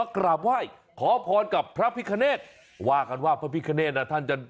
กราบไหว้ขอพรกับพระพิคเนธว่ากันว่าพระพิคเนธน่ะท่านจะ